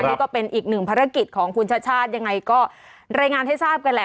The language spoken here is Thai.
นี่ก็เป็นอีกหนึ่งภารกิจของคุณชาติชาติยังไงก็รายงานให้ทราบกันแหละ